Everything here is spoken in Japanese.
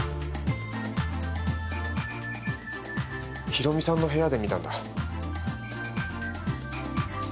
博美さんの部屋で見たんだ。